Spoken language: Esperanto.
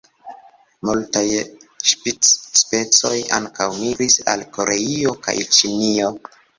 Multaj ŝpic-specoj ankaŭ migris al Koreio kaj Ĉinio.